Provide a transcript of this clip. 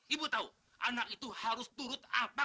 ibu tahu anak itu harus turut apa